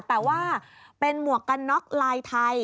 แต่ว่าเป็นหมวกกันน็อกลายไทย